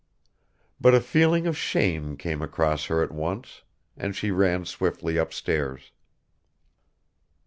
But a feeling of shame came over her at once, and she ran swiftly upstairs.